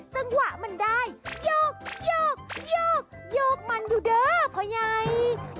เต้นวะมันได้โยกโยกโยกมันอยู่เด้อเพราะไง